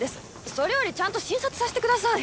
それよりちゃんと診察させてください。